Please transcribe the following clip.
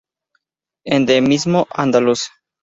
Endemismo andaluz.